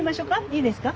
いいですか？